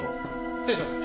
失礼します。